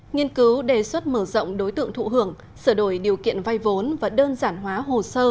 nghiên cứu đề xuất mở rộng đối tượng thụ hưởng sửa đổi điều kiện vay vốn và đơn giản hóa hồ sơ